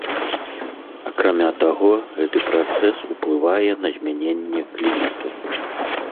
Акрамя таго, гэты працэс уплывае на змяненне клімату.